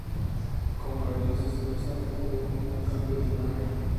Con barriles de cerveza o de un cambio de imagen.